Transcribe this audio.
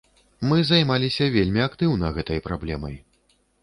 Мы займаліся вельмі актыўна гэтай праблемай.